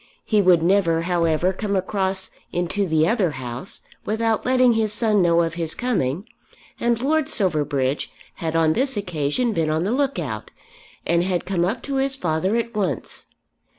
He would never, however, come across into the other House, without letting his son know of his coming, and Lord Silverbridge had on this occasion been on the look out, and had come up to his father at once.